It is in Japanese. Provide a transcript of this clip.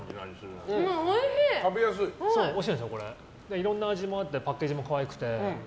いろんな味もあってパッケージも可愛くて。